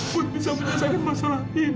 bu bisa menyelesaikan masalah ini bu